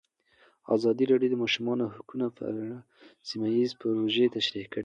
ازادي راډیو د د ماشومانو حقونه په اړه سیمه ییزې پروژې تشریح کړې.